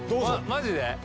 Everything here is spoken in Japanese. マジで？